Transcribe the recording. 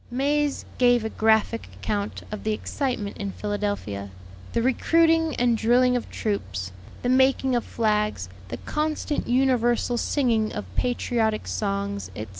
May's gave a graphic account of the excitement in Philadelphia; the recruiting and drilling of troops, the making of flags, the constant, universal singing of patriotic songs, etc.